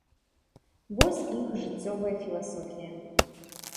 Вось іх жыццёвая філасофія.